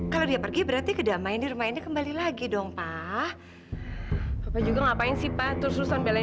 tapi keadaan mama semakin buruk